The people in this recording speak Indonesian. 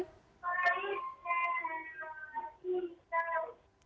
selamat malam pak arsul sani